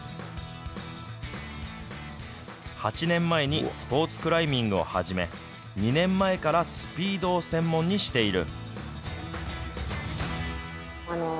８年前にスポーツクライミングを始め、２年前からスピードを専門にしている。